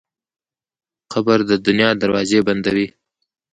قبر د دنیا دروازې بندوي.